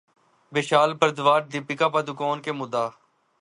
ویشال بھردواج دپیکا پڈوکون کے مداح